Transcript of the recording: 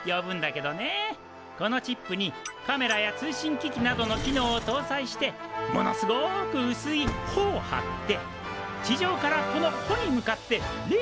このチップにカメラや通信機器などの機能をとうさいしてものすごくうすいほを張って地上からこのほに向かってレーザーを照射する。